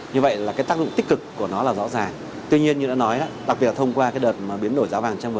như vậy là cái tác dụng tích cực của nó là rõ ràng